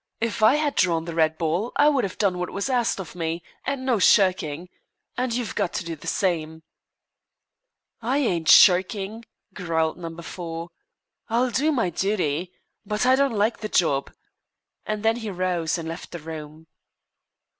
If I had drawn the red ball I would have done what was asked of me, and no shirking and you've got to do the same." "I ain't shirking," growled Number Four. "I'll do my duty. But I don't like the job," and then he arose and left the room.